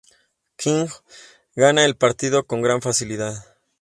King gana el partido con gran facilidad.